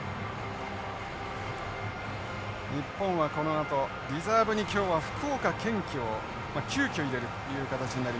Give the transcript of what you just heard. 日本はこのあとリザーブに今日は福岡堅樹を急きょ入れるという形になりました。